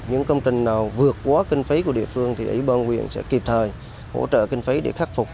những công trình nào vượt quá kinh phí của địa phương thì ủy ban huyện sẽ kịp thời hỗ trợ kinh phí để khắc phục